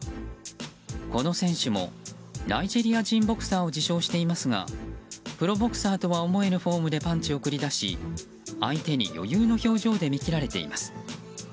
この選手もナイジェリア人ボクサーを自称していますがプロボクサーとは思えぬフォームでパンチを繰り出し、相手に余裕の表情で見切られています。